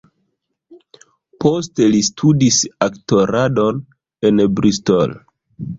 Poste li studis aktoradon en Bristol.